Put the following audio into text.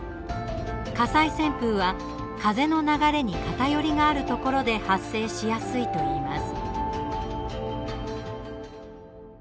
火災旋風は風の流れに偏りがあるところで発生しやすいといいます。